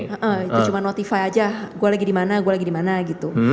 iya cuma notifai aja gue lagi di mana gue lagi di mana gitu